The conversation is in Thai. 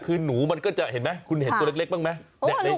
คือหนูมันก็จะเห็นไหมคุณเห็นตัวเล็กบ้างไหม